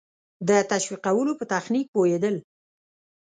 د تشویقولو په تخنیک پوهېدل.